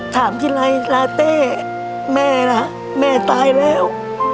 ถามทีไรลาเต้แม่ล่ะแม่ตายแล้ว